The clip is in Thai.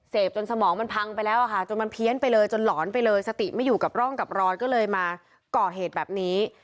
จนสมองมันพังไปแล้วอะค่ะจนมันเพี้ยนไปเลยจนหลอนไปเลยสติไม่อยู่กับร่องกับรอยก็เลยมาก่อเหตุแบบนี้